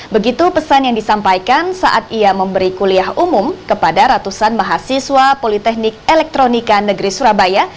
begitu pesan yang disampaikan saat ia memberi kuliah umum kepada ratusan mahasiswa politeknik elektronika negeri surabaya